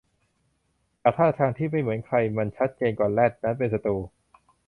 จากท่าทางที่ไม่เหมือนใครมันชัดเจนว่าแรดนั้นเป็นศัตรู